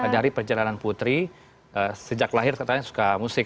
dari perjalanan putri sejak lahir katanya suka musik